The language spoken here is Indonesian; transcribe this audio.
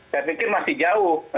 saya pikir masih jauh